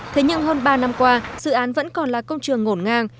thế nhưng hơn ba năm qua dự án vẫn còn là công trường ngổn ngang